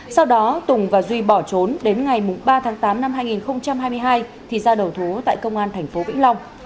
sau đó tùng và duy bỏ trốn đến ngày ba tháng tám năm hai nghìn hai mươi hai thì ra đầu thú tại công an tp vĩnh long